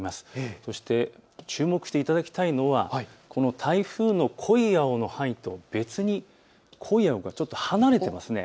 そして注目していただきたいのがこの台風の濃い青の範囲と別に濃い青が離れていますね。